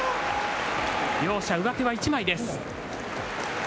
両者上手は１枚です。